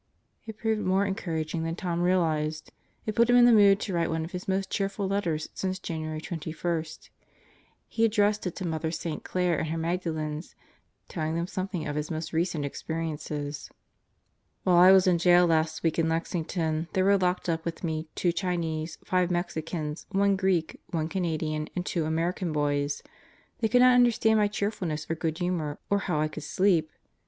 It proved more encouraging than Tom realized. It put him in the mood to write one of his most cheerful letters since January 21. He addressed it to Mother St. Clare and her Magdalens, telling them something of his most recent experiences: While I was in jail last week in Lexington, there were locked up with me 2 Chinese, 5 Mexicans, 1 Greek, 1 Canadian, and 2 Ameri can boys. They could not understand my cheerfulness or good humor, or how I could sleep.